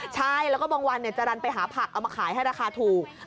ใช่แล้วก็บางวันจรรย์ไปหาผักเอามาขายให้ราคาถูก